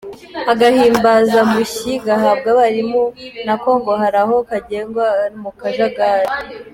Agahimbaza mushyi gahabwa abarimu nako ngo hari aho kagenwa mu kajagari.